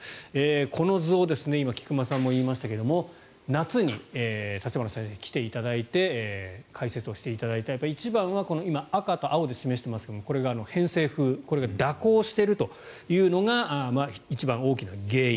この図を今、菊間さんも言いましたが夏に立花先生来ていただいて解説をしていただいて一番は今、赤と青で示していますがこれが偏西風蛇行しているというのが一番大きな原因。